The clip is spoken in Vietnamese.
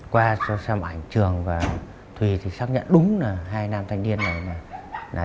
qua xem ảnh trường và thùy thì xác nhận đúng là hai nam thanh niên là